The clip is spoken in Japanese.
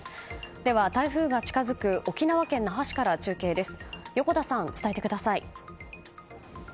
では台風が近づく沖縄県那覇市から中継です。